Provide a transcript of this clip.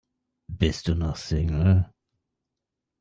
Bist du noch Single?